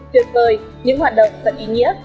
tuyệt vời những hoạt động rất ý nghĩa